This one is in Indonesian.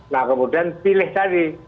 nah kemudian pilih tadi